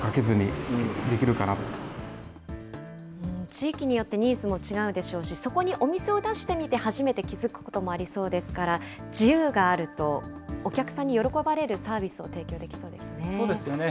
地域によってニーズも違うでしょうし、そこにお店を出して初めて気付くこともありそうですから、自由があると、お客さんに喜ばれるサービスを提供できそうですね。